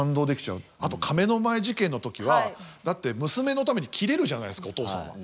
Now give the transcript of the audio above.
あと亀の前事件の時はだって娘のためにキレるじゃないですかお父さんは。